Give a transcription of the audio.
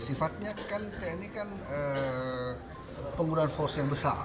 sifatnya kan tni kan penggunaan force yang besar